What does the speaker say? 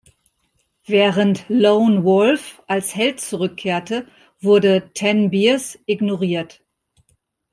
Während "Lone Wolf" als Held zurückkehrte, wurde "Ten Bears" ignoriert.